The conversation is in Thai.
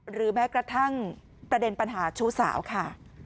หรือแม้กระทั่งประเด็นปัญหาชู้สาวค่ะ